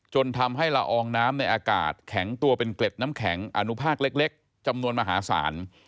จนทำให้ละอองน้ำในอากาศแข็งตัวเป็นเกล็ดน้ำแข็งอนุภาคเล็กจำนวนมหาศาล